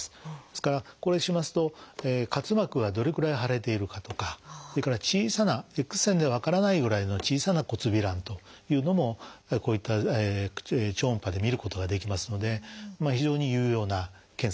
ですからこれしますと滑膜はどれくらい腫れているかとかそれから小さなＸ線では分からないぐらいの小さな骨びらんというのもこういった超音波で見ることができますので非常に有用な検査です。